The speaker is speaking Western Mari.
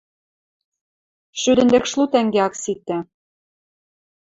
Шӱдӹ ӹндекшлу тӓнгӓ ак ситӹ...